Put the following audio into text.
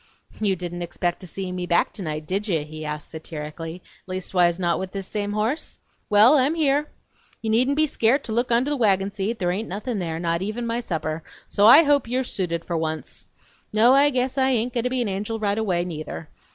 "You didn't expect to see me back tonight, did ye?" he asked satirically; "leastwise not with this same horse? Well, I'm here! You needn't be scairt to look under the wagon seat, there hain't nothin' there, not even my supper, so I hope you're suited for once! No, I guess I hain't goin' to be an angel right away, neither.